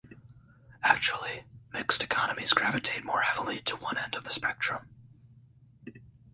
Actually, mixed economies gravitate more heavily to one end of the spectrum.